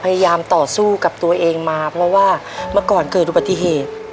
พยายามต่อสู้กับตัวเองมาเพราะว่าเมื่อก่อนเกิดอุบัติเหตุ